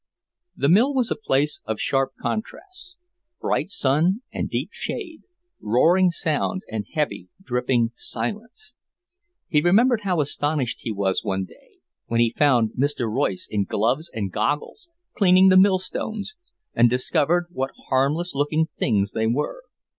The mill was a place of sharp contrasts; bright sun and deep shade, roaring sound and heavy, dripping silence. He remembered how astonished he was one day, when he found Mr. Royce in gloves and goggles, cleaning the millstones, and discovered what harmless looking things they were.